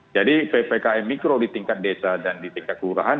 jadi ppkm mikro di tingkat desa dan di tingkat kelurahan